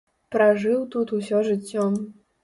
Пражыў тут усё жыццё.